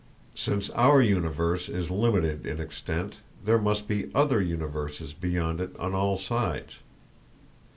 Since our universe is limited in extent, there must be other universes beyond it on all sides.